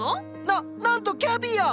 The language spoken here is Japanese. ななんとキャビア！